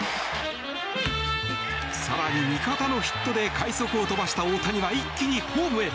更に味方のヒットで快足を飛ばした大谷は一気にホームへ。